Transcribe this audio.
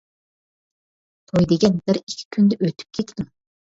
توي دېگەن بىر ئىككى كۈندە ئۆتۈپ كېتىدۇ.